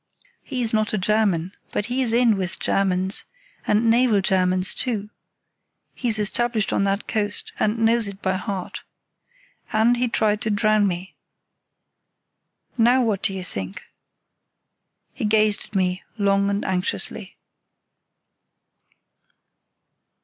He's not a German, but he's in with Germans, and naval Germans too. He's established on that coast, and knows it by heart. And he tried to drown me. Now what do you think?" He gazed at me long and anxiously.